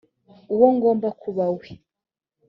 uwo ngomba kuba we